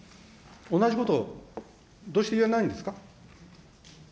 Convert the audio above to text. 同じことをどうして言えないんですか。